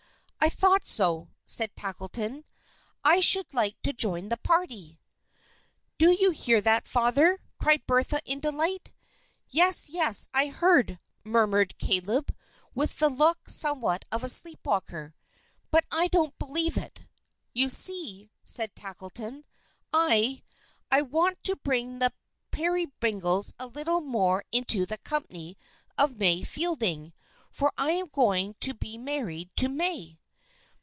"I thought so," said Tackleton. "I should like to join the party." "Do you hear that, Father?" cried Bertha in delight. "Yes, yes, I heard it," murmured Caleb, with the look somewhat of a sleepwalker, "but I don't believe it." "You see," said Tackleton, "I I want to bring the Peerybingles a little more into the company of May Fielding, for I am going to be married to May."